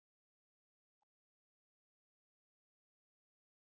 ก็เลยต้องพยายามไปบอกว่าเออให้ออกจากตรงนี้อย่ามาใช้พื้นที่ตรงนี้อย่ามาใช้พื้นที่ทางนักกีฬาตัวแทนโรงเรียนเขา